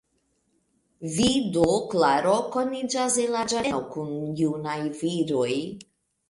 Vi do, Klaro, koniĝas en la ĝardeno kun junaj viroj?